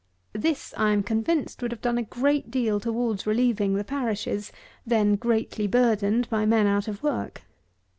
This I am convinced, would have done a great deal towards relieving the parishes, then greatly burdened by men out of work.